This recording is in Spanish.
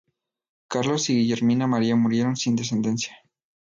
Carlos y Guillermina María murieron sin descendencia.